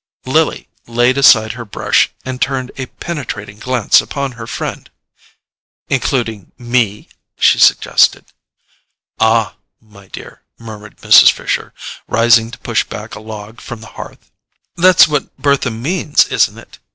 Lily laid aside her brush and turned a penetrating glance upon her friend. "Including ME?" she suggested. "Ah, my dear," murmured Mrs. Fisher, rising to push back a log from the hearth. "That's what Bertha means, isn't it?"